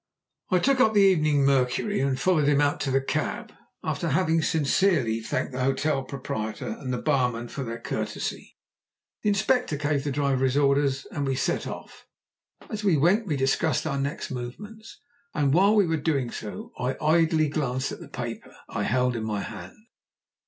I took up the Evening Mercury and followed him out to the cab, after having sincerely thanked the hotel proprietor and the barman for their courtesy. The Inspector gave the driver his orders and we set off. As we went we discussed our next movements, and while we were doing so I idly glanced at the paper I held in my hand.